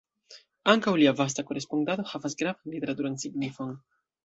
Ankaŭ lia vasta korespondado havas gravan literaturan signifon.